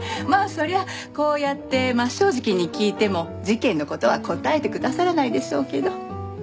そりゃこうやって真っ正直に聞いても事件の事は答えてくださらないでしょうけど。